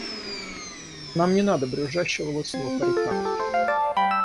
Нам не надо брюзжащего лысого парика!